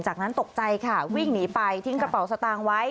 จากนั้นตกใจค่ะวิ่งหนีไปทิ้งกระเป๋าสตางค์ไว้